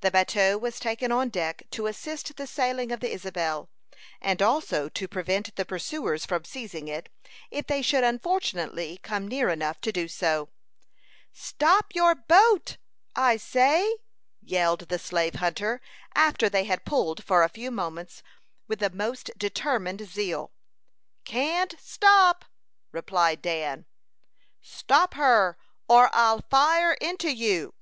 The bateau was taken on deck to assist the sailing of the Isabel, and also to prevent the pursuers from seizing it, if they should unfortunately come near enough to do so. "Stop your boat, I say," yelled the slave hunter, after they had pulled for a few moments with the most determined zeal. "Can't stop!" replied Dan. "Stop her, or I'll fire into you!"